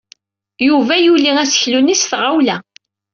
Yuba yuley aseklu-nni s tɣawla.